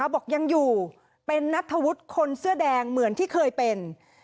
บอกยังอยู่เป็นนัทธวุฒิคนเสื้อแดงเหมือนที่เคยเป็น